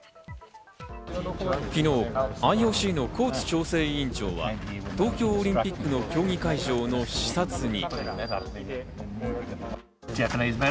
昨日、ＩＯＣのコーツ調整委員長は東京オリンピックの競技会場の視察に。